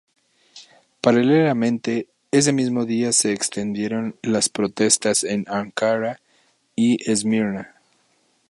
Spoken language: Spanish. Paralelamente, ese mismo día se extendieron las protestas a Ankara y Esmirna.